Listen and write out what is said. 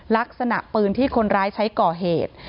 ลักษณะปืนที่คนร้ายใช้ก่อเหตุ